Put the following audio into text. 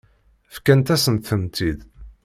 Fkant-asent-tent-id.